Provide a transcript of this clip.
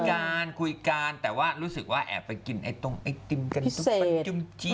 ก็คุยการแต่ว่ารู้สึกว่าแอบไปกินไอติมกันกันประจำที